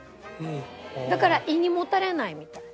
だから胃にもたれないみたい。